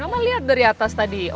kamu lihat dari atas tadi